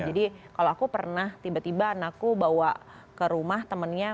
jadi kalau aku pernah tiba tiba anakku bawa ke rumah temennya